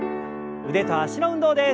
腕と脚の運動です。